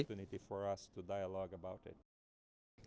trong lĩnh vực này